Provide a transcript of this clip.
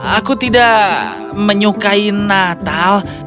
aku tidak menyukai natal